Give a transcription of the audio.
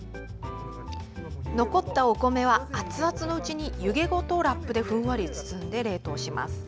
残ったお米は熱々のうちに湯気ごとラップでふんわり包んで冷凍します。